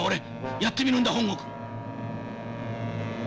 やってみるんだ本郷君。